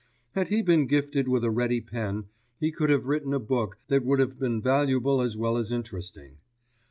Had he been gifted with a ready pen, he could have written a book that would have been valuable as well as interesting.